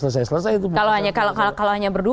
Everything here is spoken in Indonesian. selesai selesai itu kalau hanya berdua